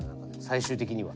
最終的には。